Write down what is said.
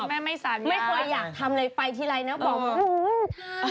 แม่ไม่สัญญาไม่ค่อยอยากทำอะไรไปทีไรนะบอกว่าโอ้โฮทำ